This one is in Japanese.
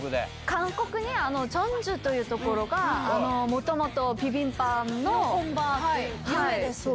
韓国にチョンジュという所が、もともとビビンバの本場で。